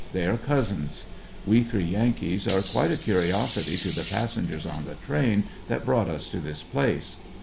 They are cousins. We three Yankees were quite a curiosity to the passengers on the train that brought us to this place.